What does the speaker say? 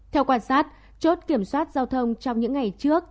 theo quan sát chốt kiểm soát giao thông trong những ngày trước